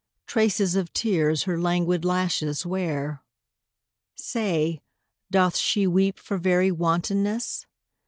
Traces of tears her languid lashes wear. Say, doth she weep for very wantonness?